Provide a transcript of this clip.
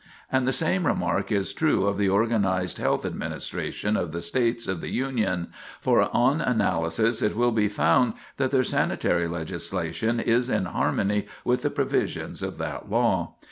And the same remark is true of the organized health administration of the States of the Union, for on analysis it will be found that their sanitary legislation is in harmony with the provisions of that law.